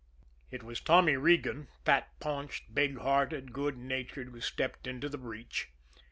It was Tommy Regan, fat paunched, big hearted, good natured, who stepped into the breach.